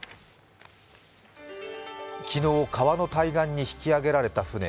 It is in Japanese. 昨日川の対岸に引き揚げられた船。